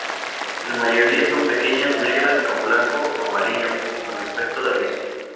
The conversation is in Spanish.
La mayoría son pequeñas, negras, con blanco o amarillo y con aspecto de avispas.